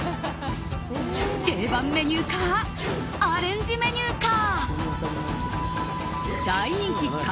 定番メニューかアレンジメニューか？